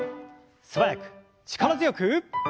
素早く力強く！